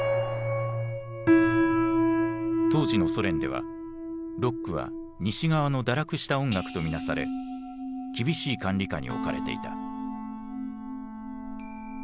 当時のソ連ではロックは西側の堕落した音楽と見なされ厳しい管理下に置かれていた。